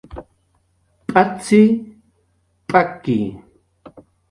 "P'acx""i, p'aki"